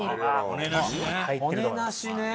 骨なしね。